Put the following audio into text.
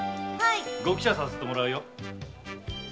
ご喜捨させてもらうよ。